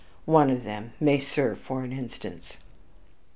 One of them may serve for an instance.)